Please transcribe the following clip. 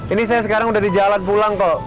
ini saya sekarang udah di jalan pulang kok